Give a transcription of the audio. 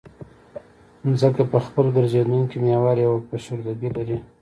ځمکه په خپل ګرځېدونکي محور یوه فشردګي لري